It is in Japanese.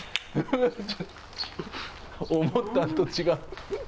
思ったんと違う。